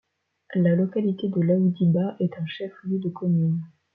La localité de Laoudi-Ba est un chef-lieu de commune.